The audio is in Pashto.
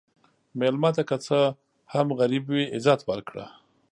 مېلمه ته که څه هم غریب وي، عزت ورکړه.